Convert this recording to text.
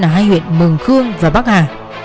ở hai huyện mường khương và bắc hà